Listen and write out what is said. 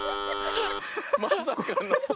まさかの。